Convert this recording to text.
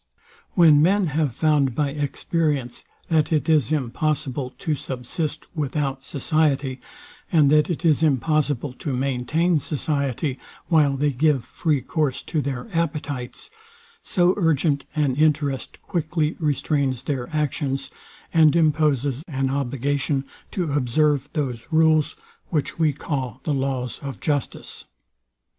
When men have found by experience, that it is impossible to subsist without society, and that it is impossible to maintain society, while they give free course to their appetites; so urgent an interest quickly restrains their actions, and imposes an obligation to observe those rules, which we call the laws of justice.